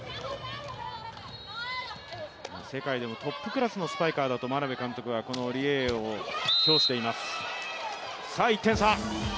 世界でもトップクラスのスパイカーだと眞鍋監督はこのリ・エイエイを評しています。